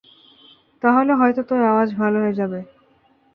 তাহলে হয়তো তোর আওয়াজ ভালো হয়ে যাবে।